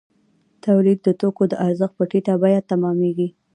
تولید د توکو د ارزښت په ټیټه بیه تمامېږي